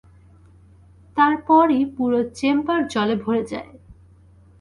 তারপরই পুরো চেম্বার জলে ভরে যায়।